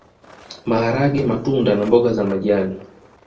Maharage matunda na mboga za majani